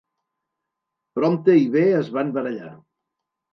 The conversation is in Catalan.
Prompte i bé es van barallar.